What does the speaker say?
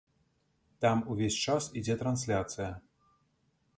Там увесь час ідзе трансляцыя.